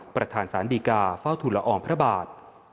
ประธานสานดีกาฝ่าธุลอองพระบาท